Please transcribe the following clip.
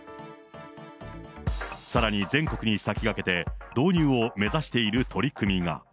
さらに、全国に先駆けて、導入を目指している取り組みが。